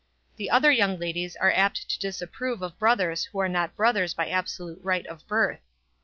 The other young ladies are apt to disapprove of brothers who are not brothers by absolute right of birth.